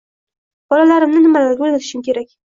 Bolalarimni nimalarga o‘rgatishim kerak